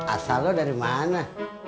asal lu dari mana